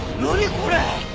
これ。